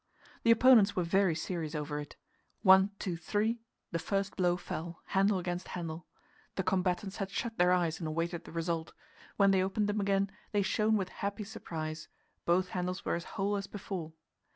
The opponents were very serious over it. One, two, three the first blow fell, handle against handle. The combatants had shut their eyes and awaited the result; when they opened them again, they shone with happy surprise both handles were as whole as before.